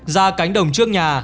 ra cánh đồng trước nhà